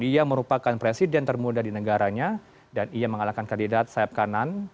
ia merupakan presiden termuda di negaranya dan ia mengalahkan kandidat sayap kanan